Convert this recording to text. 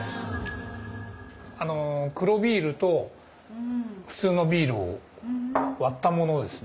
あの黒ビールと普通のビールを割ったものですね。